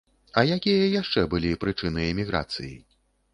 А якія яшчэ былі прычыны эміграцыі?